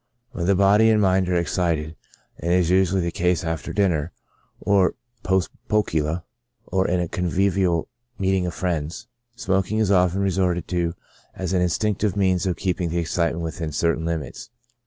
When the body and mind are excited, as is usually the case after dinner, or post pocula^ or in a convivial meeting of friends, smoking is often resorted to as an instinctive means of keeping the excitement within certain limits.